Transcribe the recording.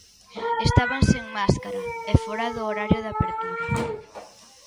Estaban sen máscara e fóra do horario de apertura.